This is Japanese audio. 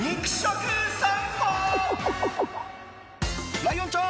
ライオンちゃん